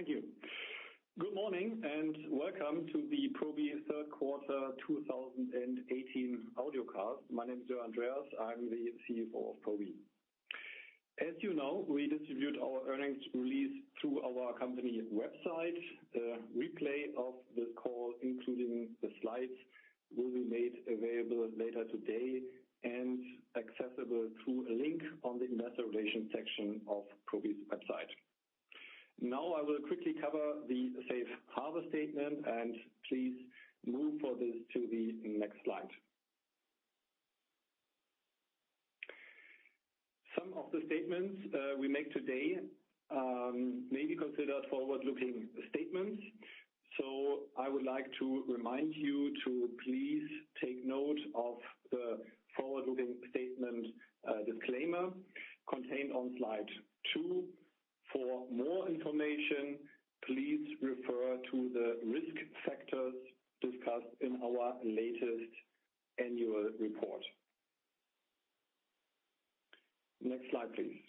Thank you. Good morning and welcome to the Probi third quarter 2018 audio cast. My name is Jörn Andreas. I'm the CEO of Probi. As you know, we distribute our earnings release through our company website. A replay of this call, including the slides, will be made available later today and accessible through a link on the investor relation section of Probi's website. I will quickly cover the safe harbor statement and please move for this to the next slide. Some of the statements we make today may be considered forward-looking statements. I would like to remind you to please take note of the forward-looking statement disclaimer contained on slide two. For more information, please refer to the risk factors discussed in our latest annual report. Next slide, please.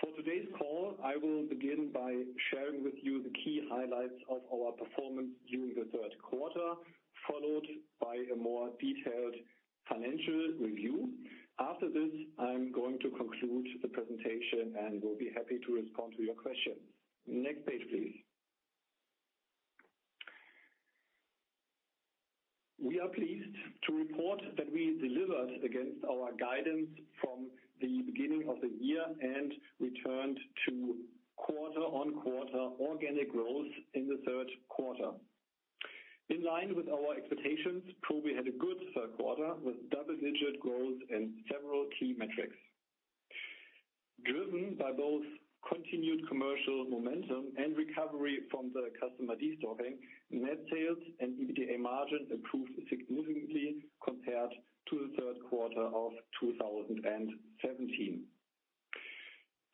For today's call, I will begin by sharing with you the key highlights of our performance during the third quarter, followed by a more detailed financial review. After this, I am going to conclude the presentation and will be happy to respond to your questions. Next page, please. We are pleased to report that we delivered against our guidance from the beginning of the year and returned to quarter-on-quarter organic growth in the third quarter. In line with our expectations, Probi had a good third quarter with double-digit growth in several key metrics. Driven by both continued commercial momentum and recovery from the customer destocking, net sales and EBITDA margins improved significantly compared to the third quarter of 2017.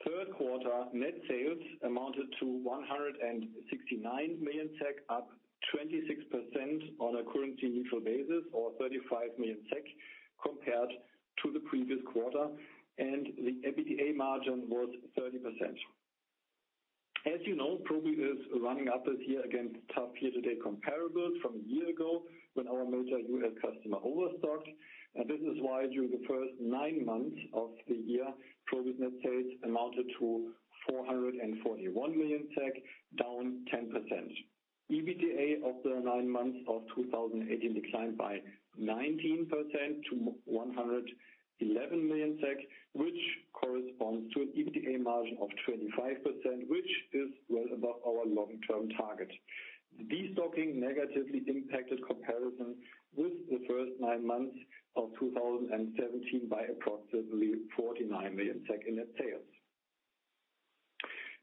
Third quarter net sales amounted to 169 million SEK, up 26% on a currency-neutral basis or 35 million SEK compared to the previous quarter, and the EBITDA margin was 30%. As you know, Probi is running up this year against tough year-to-date comparables from a year ago when our major U.S. customer overstocked. This is why during the first nine months of the year, Probi's net sales amounted to 441 million SEK, down 10%. EBITDA of the nine months of 2018 declined by 19% to 111 million SEK, which corresponds to an EBITDA margin of 25%, which is well above our long-term target. Destocking negatively impacted comparison with the first nine months of 2017 by approximately 49 million in net sales.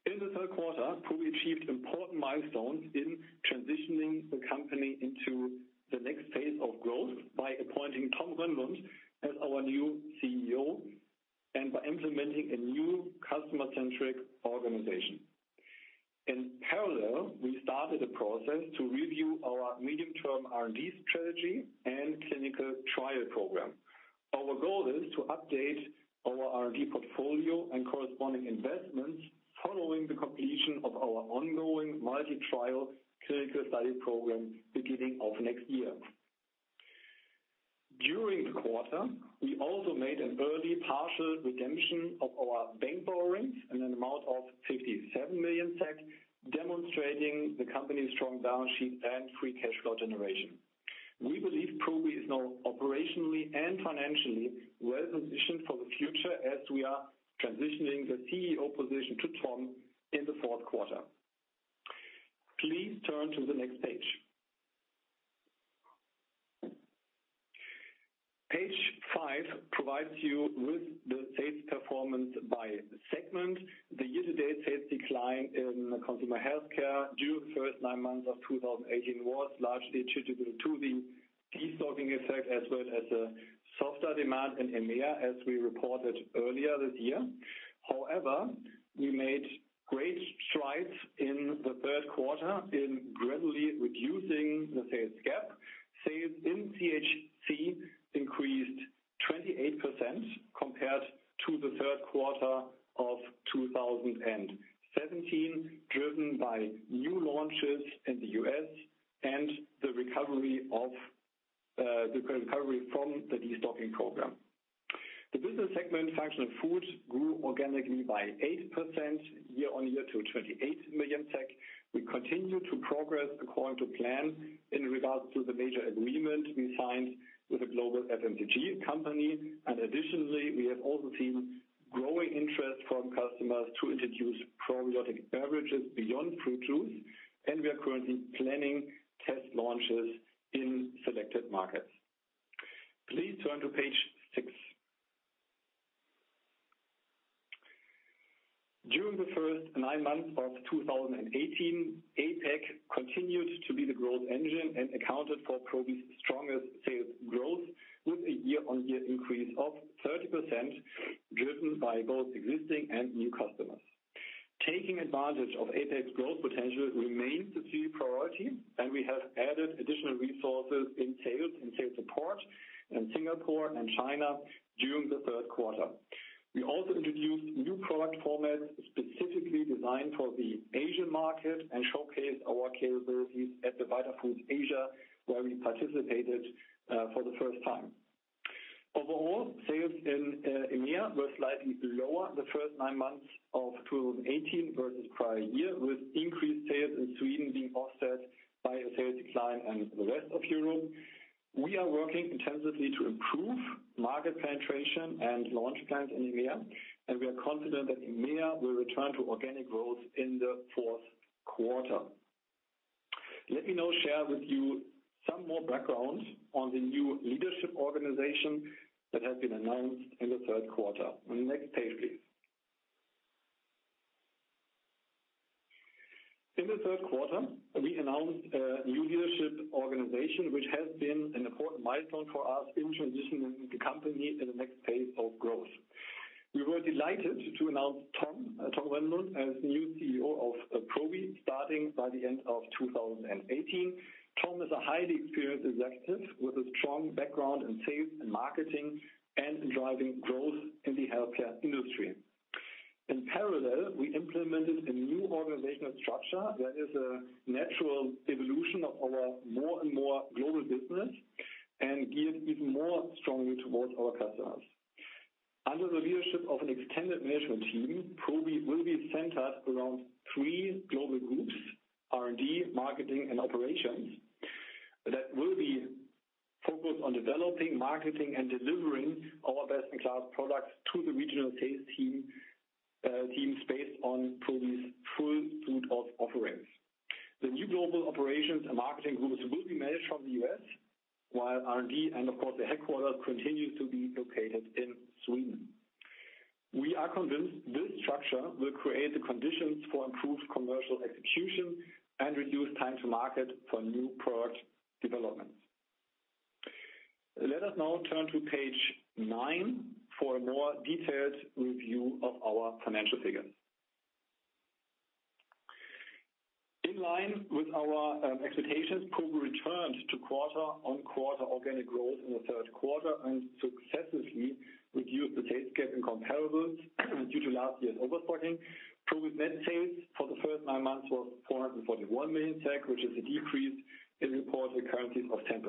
In the third quarter, Probi achieved important milestones in transitioning the company into the next phase of growth by appointing Tom Rönnlund as our new CEO and by implementing a new customer-centric organization. In parallel, we started a process to review our medium-term R&D strategy and clinical trial program. Our goal is to update our R&D portfolio and corresponding investments following the completion of our ongoing multi-trial clinical study program beginning of next year. During the quarter, we also made an early partial redemption of our bank borrowings in an amount of 57 million SEK, demonstrating the company's strong balance sheet and free cash flow generation. We believe Probi is now operationally and financially well-positioned for the future as we are transitioning the CEO position to Tom in the fourth quarter. Please turn to the next page. Page five provides you with the sales performance by segment. The year-to-date sales decline in Consumer Healthcare during the first nine months of 2018 was largely attributable to the destocking effect as well as a softer demand in EMEA, as we reported earlier this year. However, we made great strides in the third quarter in gradually reducing the sales gap. Sales in CHC increased 28% compared to the third quarter of 2017, driven by new launches in the U.S. and the recovery from the destocking program. The business segment Functional Food grew organically by 8% year-on-year to 28 million. We continue to progress according to plan in regards to the major agreement we signed with a global FMCG company. Additionally, we have also seen growing interest from customers to introduce probiotic beverages beyond fruit juice, and we are currently planning test launches in selected markets. Please turn to page six. During the first nine months of 2018, APAC continued to be the growth engine and accounted for Probi's strongest sales growth with a year-on-year increase of 30%, driven by both existing and new customers. Taking advantage of APAC's growth potential remains the key priority, and we have added additional resources in sales and sales support in Singapore and China during the third quarter. We also introduced new product formats specifically designed for the Asian market and showcased our capabilities at the Vitafoods Asia, where we participated for the first time. Overall, sales in EMEA were slightly lower the first nine months of 2018 versus prior year, with increased sales in Sweden being offset by a sales decline in the rest of Europe. We are working intensively to improve market penetration and launch plans in EMEA, and we are confident that EMEA will return to organic growth in the fourth quarter. Let me now share with you some more background on the new leadership organization that has been announced in the third quarter. Next page, please. In the third quarter, we announced a new leadership organization, which has been an important milestone for us in transitioning the company in the next phase of growth. We were delighted to announce Tom Rönnlund as new CEO of Probi starting by the end of 2018. Tom is a highly experienced executive with a strong background in sales and marketing and driving growth in the healthcare industry. In parallel, we implemented a new organizational structure that is a natural evolution of our more and more global business and geared even more strongly towards our customers. Under the leadership of an extended management team, Probi will be centered around three global groups: R&D, marketing, and operations, that will be focused on developing, marketing, and delivering our best-in-class products to the regional sales teams based on Probi's full suite of offerings. The new global operations and marketing groups will be managed from the U.S., while R&D and of course, the headquarters continue to be located in Sweden. We are convinced this structure will create the conditions for improved commercial execution and reduce time to market for new product developments. Let us now turn to page nine for a more detailed review of our financial figures. In line with our expectations, Probi returned to quarter-on-quarter organic growth in the third quarter and successively reduced the sales gap in comparables due to last year's overstocking. Probi's net sales for the first nine months was 441 million SEK, which is a decrease in reported currencies of 10%.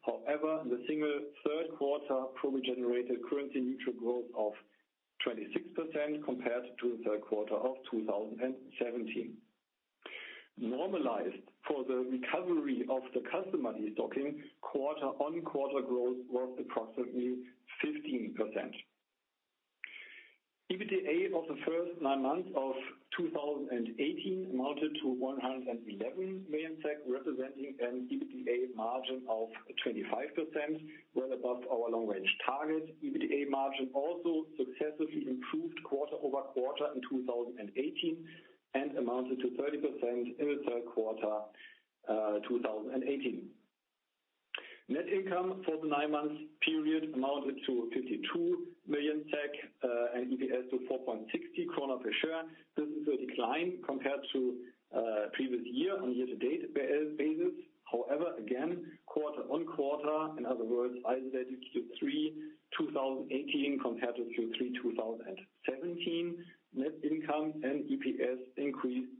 However, in the single third quarter, Probi generated currency-neutral growth of 26% compared to the third quarter of 2017. Normalized for the recovery of the customer de-stocking, quarter-on-quarter growth was approximately 15%. EBITDA of the first nine months of 2018 amounted to 111 million, representing an EBITDA margin of 25%, well above our long-range target. EBITDA margin also successfully improved quarter-over-quarter in 2018 and amounted to 30% in the third quarter 2018. Net income for the nine-month period amounted to 52 million SEK and EPS to 4.60 kronor per share. This is a decline compared to previous year on a year-to-date basis. However, again, quarter-on-quarter, in other words, isolated Q3 2018 compared to Q3 2017, net income and EPS increased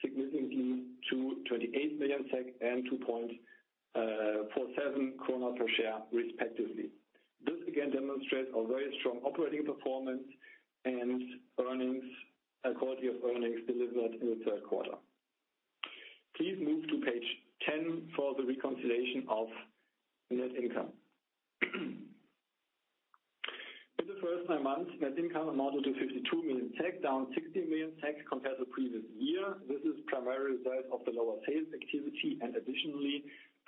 significantly to 28 million SEK and 2.47 kronor per share, respectively. This again demonstrates our very strong operating performance and quality of earnings delivered in the third quarter. Please move to page 10 for the reconciliation of net income. In the first nine months, net income amounted to 52 million, down 16 million compared to previous year. This is primarily a result of the lower sales activity and additionally,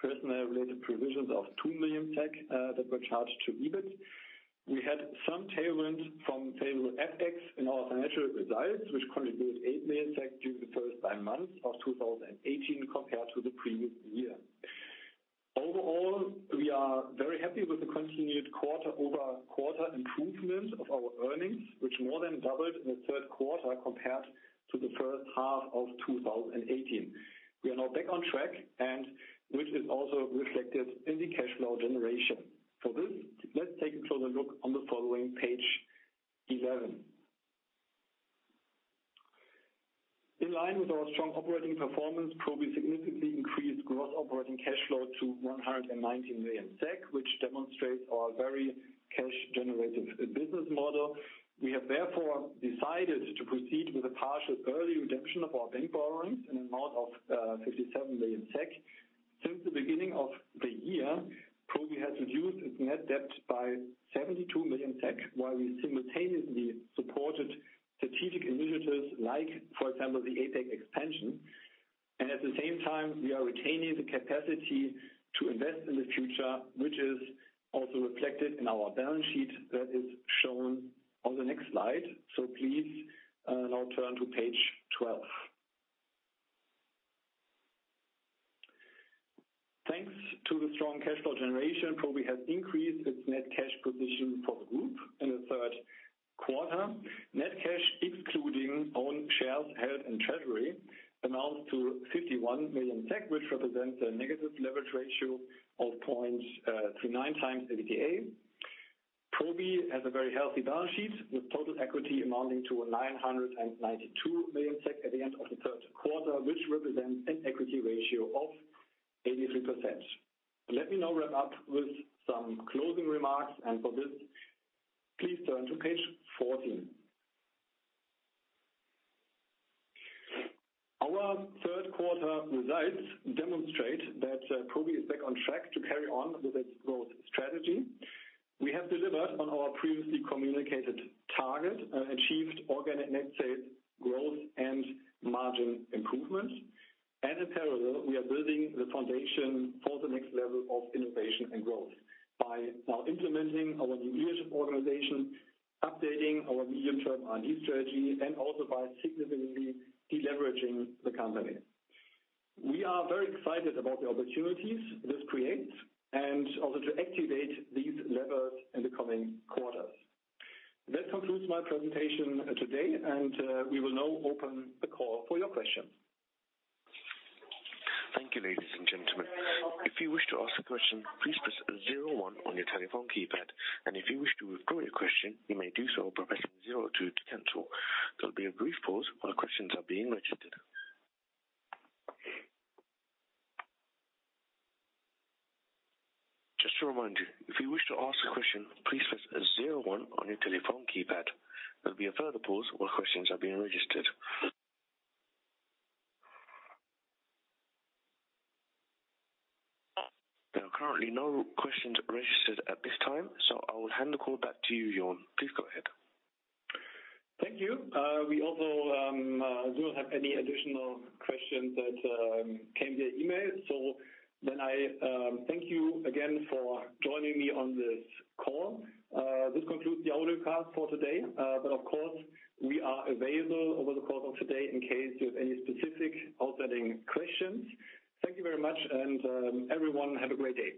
personnel-related provisions of 2 million that were charged to EBIT. We had some tailwind from favorable FX in our financial results, which contributed 8 million during the first nine months of 2018 compared to the previous year. Overall, we are very happy with the continued quarter-over-quarter improvement of our earnings, which more than doubled in the third quarter compared to the first half of 2018. We are now back on track, which is also reflected in the cash flow generation. For this, let's take a closer look on the following page 11. In line with our strong operating performance, Probi significantly increased gross operating cash flow to 119 million SEK, which demonstrates our very cash-generative business model. We have therefore decided to proceed with a partial early redemption of our bank borrowings in an amount of 57 million SEK. Since the beginning of the year, Probi has reduced its net debt by 72 million SEK, while we simultaneously supported strategic initiatives like, for example, the APAC expansion. At the same time, we are retaining the capacity to invest in the future, which is also reflected in our balance sheet that is shown on the next slide. Please now turn to page 12. Thanks to the strong cash flow generation, Probi has increased its net cash position for the group in the third quarter. Net cash, excluding own shares held in treasury amounts to 51 million, which represents a negative leverage ratio of 0.39 times EBITDA. Probi has a very healthy balance sheet, with total equity amounting to 992 million SEK at the end of the third quarter, which represents an equity ratio of 83%. Let me now wrap up with some closing remarks. For this, please turn to page 14. Our third quarter results demonstrate that Probi is back on track to carry on with its growth strategy. We have delivered on our previously communicated target and achieved organic net sales growth and margin improvement. In parallel, we are building the foundation for the next level of innovation and growth by now implementing our new leadership organization, updating our medium-term R&D strategy, and also by significantly deleveraging the company. We are very excited about the opportunities this creates and also to activate these levers in the coming quarters. That concludes my presentation today. We will now open the call for your questions. Thank you, ladies and gentlemen. If you wish to ask a question, please press 01 on your telephone keypad. If you wish to withdraw your question, you may do so by pressing 02 to cancel. There'll be a brief pause while questions are being registered. Just to remind you, if you wish to ask a question, please press 01 on your telephone keypad. There'll be a further pause while questions are being registered. There are currently no questions registered at this time, I will hand the call back to you, Jörn. Please go ahead. Thank you. We also do not have any additional questions that came via email. I thank you again for joining me on this call. This concludes the audio cast for today. Of course, we are available over the course of today in case you have any specific outstanding questions. Thank you very much, and everyone, have a great day.